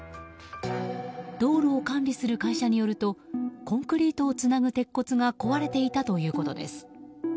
道路を管理する会社によるとコンクリートをつなぐ鉄骨が壊れていたということです。